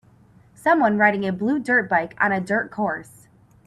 Someone riding a blue dirt bike on a dirt course.